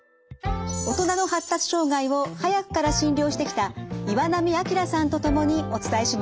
大人の発達障害を早くから診療してきた岩波明さんと共にお伝えします。